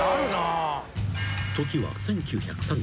［時は１９３５年。